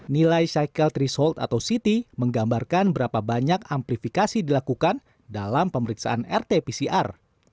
nilai cycle result atau ct menggambarkan berapa banyak amplifikasi dilakukan dalam pemeriksaan rt pcr